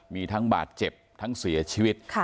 มีทั้งบาดเจ็บทั้งเสียชีวิต